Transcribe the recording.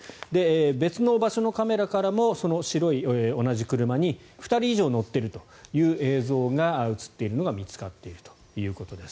別の場所のカメラからも白い同じ車に２人以上乗っているという映像が映っているのが見つかっているということです。